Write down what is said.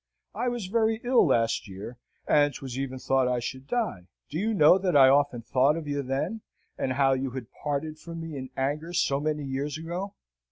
I was very ill last year, and 'twas even thought I should die. Do you know, that I often thought of you then, and how you had parted from me in anger so many years ago?